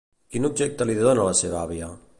Quin objecte li dona la seva àvia?